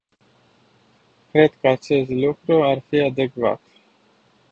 Cred că acest lucru ar fi adecvat.